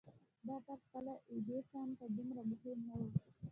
دا کار خپله ايډېسن ته دومره مهم نه و.